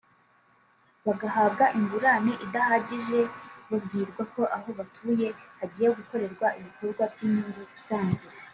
bagahabwa ingurane idahagije babwirwa ko aho batuye hagiye gukorerwa ibikorwa by’inyungu rusange